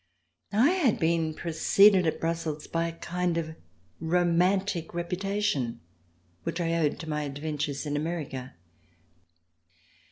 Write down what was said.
I had been preceded at Brussels by a kind of romantic reputation which I owed to my adventures in America.